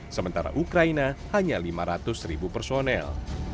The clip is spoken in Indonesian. sementara ukraina hanya lima ratus ribu personel